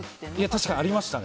確かにありました。